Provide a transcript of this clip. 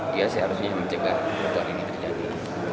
dia seharusnya menjaga kebunuhan ini terjadi